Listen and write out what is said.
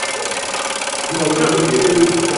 Njoo Mwanangu Kwa Baba.